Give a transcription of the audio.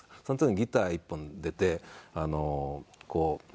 その時にギター１本で出てこう。